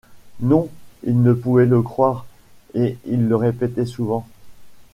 Non! il ne pouvait le croire, et il le répétait souvent.